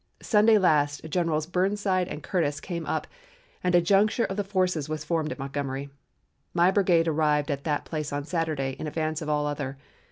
Sunday last Generals Burnside and Curtis came up and a juncture of the forces was formed at Montgomery. My brigade arrived at that place on Saturday in advance of all other.